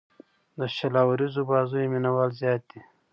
د شل اووريزو بازيو مینه وال زیات دي.